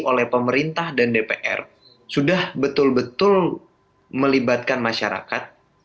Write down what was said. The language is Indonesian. oleh pemerintah dan dpr sudah betul betul melibatkan masyarakat